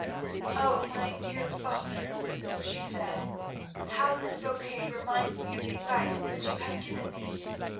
_] "Oh, my dear father," she said, "how this bouquet reminds me of the advice which you have given me.